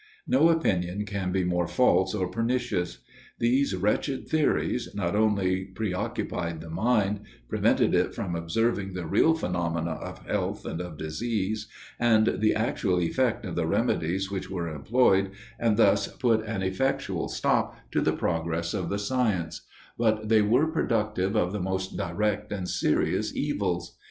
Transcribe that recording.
No opinion can be more false or pernicious. These wretched theories not only pre occupied the mind, prevented it from observing the real phenomena of health and of disease, and the actual effect of the remedies which were employed, and thus put an effectual stop to the progress of the science: but they were productive of the most direct and serious evils.